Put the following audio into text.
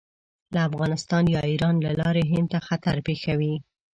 له افغانستان یا ایران له لارې هند ته خطر پېښوي.